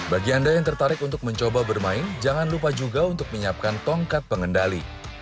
bagi anda yang tertarik untuk mencoba bermain jangan lupa juga untuk menyiapkan tongkat pengendali